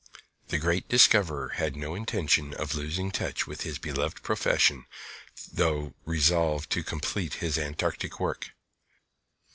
The great discoverer had no intention of losing touch with his beloved profession though resolved to complete his Antarctic work.